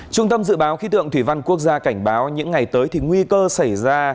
trung tâm dự báo khí tượng thủy văn quốc gia cảnh báo những ngày tới thì nguy cơ xảy ra